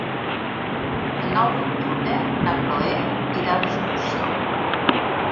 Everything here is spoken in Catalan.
El nou d'octubre na Cloè irà d'excursió.